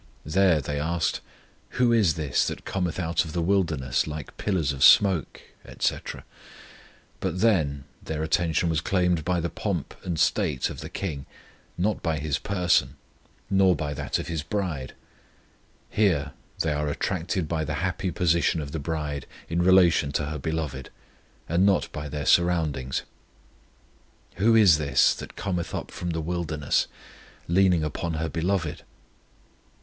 There they asked, "Who is this that cometh out of the wilderness like pillars of smoke, etc.?" but then their attention was claimed by the pomp and state of the KING, not by His person, nor by that of His bride. Here they are attracted by the happy position of the bride in relation to her Beloved, and not by their surroundings. Who is this that cometh up from the wilderness, Leaning upon her Beloved?